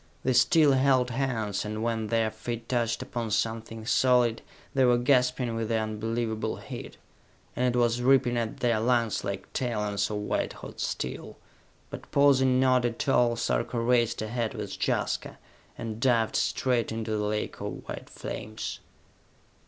They still held hands, and when their feet touched upon something solid, they were gasping with the unbelievable heat; and it was ripping at their lungs like talons of white hot steel. But, pausing not at all, Sarka raced ahead with Jaska, and dived straight into the lake of white flames.